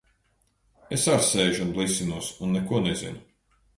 Es ar sēžu un blisinos un neko nezinu.